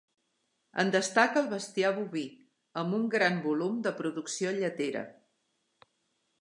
En destaca el bestiar boví, amb un gran volum de producció lletera.